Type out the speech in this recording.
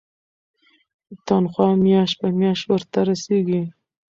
تنخوا میاشت په میاشت ورته رسیږي.